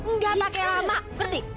nggak pakai lama ngerti